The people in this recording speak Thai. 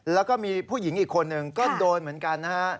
แล้วก็มีผู้หญิงอีกคนหนึ่งก็โดนเหมือนกันนะฮะ